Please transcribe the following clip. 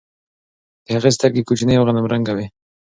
د هغې سترګې کوچنۍ او غنم رنګه وه.